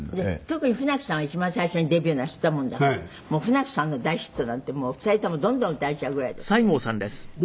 「特に舟木さんは一番最初にデビューなすったものだから舟木さんの大ヒットなんてもう２人ともどんどん歌えちゃうぐらいですってね？」